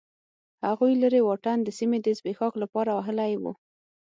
هغوی لرې واټن د سیمې د زبېښاک لپاره وهلی و.